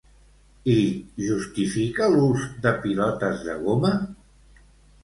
I justifica l'ús de pilotes de goma?